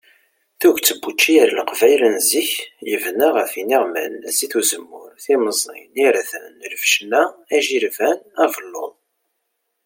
Tuget n wučči ar leqbayel zik yebna ɣef iniɣman, zit uzemmur, timẓin, irden, lbecna, ajilban, abelluḍ.